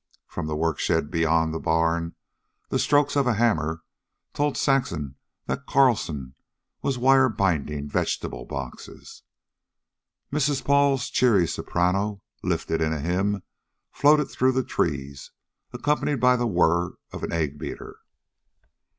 From the work shed beyond the barn the strokes of a hammer told Saxon that Carlsen was wire binding vegetable boxes. Mrs. Paul's cheery soprano, lifted in a hymn, floated through the trees, accompanied by the whirr of an egg beater.